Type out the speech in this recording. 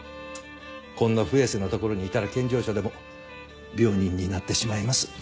こんな不衛生な所にいたら健常者でも病人になってしまいます。